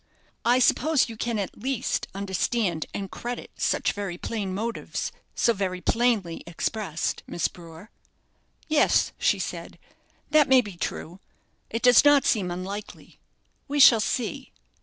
I suppose you can at least understand and credit such very plain motives, so very plainly expressed, Miss Brewer?" "Yes," she said, "that may be true; it does not seem unlikely; we shall see."